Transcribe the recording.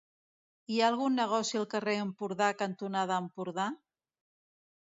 Hi ha algun negoci al carrer Empordà cantonada Empordà?